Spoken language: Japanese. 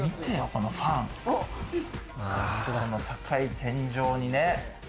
この高い天井にね。